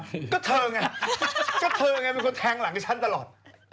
ก็เธอไงเป็นคนแทงหลังที่ฉันตลอด